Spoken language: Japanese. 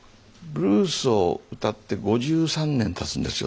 ブルースを歌って５３年たつんですよ